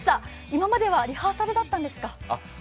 今まではリハーサルだったんですか？